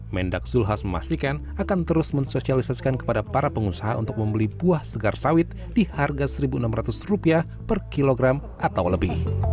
mendak zulkifli hasan memastikan akan terus mensosialisasikan kepada para pengusaha untuk membeli buah segar sawit di harga rp satu enam ratus per kilogram atau lebih